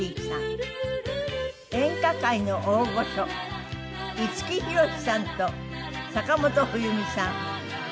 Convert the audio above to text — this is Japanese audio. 演歌界の大御所五木ひろしさんと坂本冬美さん。